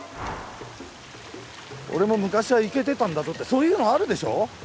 俺も昔はイケてたんたぞってそういうのあるでしょ？